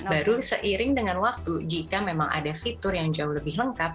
baru seiring dengan waktu jika memang ada fitur yang jauh lebih lengkap